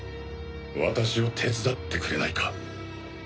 私を手伝ってくれないか？